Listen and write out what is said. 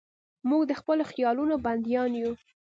موږ د خپلو خیالونو بندیان یو.